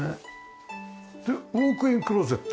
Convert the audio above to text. でウォークインクローゼット？